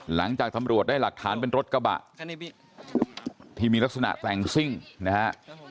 หลังจากตำรวจได้หลักฐานเป็นรถกระบะที่มีลักษณะแต่งซิ่งนะฮะ